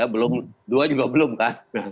belum dua juga belum kan